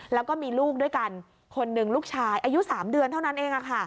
แล้วก็มีลูกด้วยกันคนหนึ่งลูกชายอายุ๓เดือนเท่านั้นเอง